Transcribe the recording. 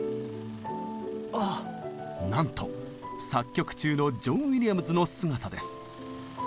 なんと作曲中のジョン・ウィリアムズの姿です。